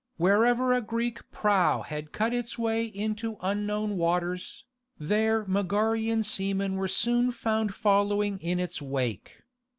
Wherever a Greek prow had cut its way into unknown waters, there Megarian seamen were soon found following in its wake.